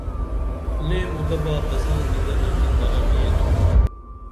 لے مُدہ با تساں دِدنہ کی ترہ نی ییتُھم